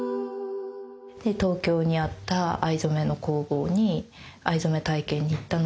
東京にあった藍染めの工房に藍染め体験に行ったのがきっかけです。